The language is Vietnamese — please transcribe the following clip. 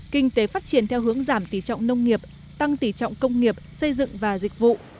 kinh tế phát triển theo hướng giảm tỷ trọng nông nghiệp tăng tỉ trọng công nghiệp xây dựng và dịch vụ